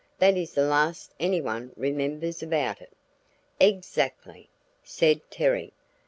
That is the last anyone remembers about it." "Exactly!" said Terry.